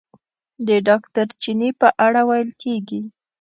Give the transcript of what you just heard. د ډاکټر چیني په اړه ویل کېږي.